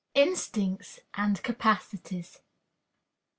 Instincts and Capacities.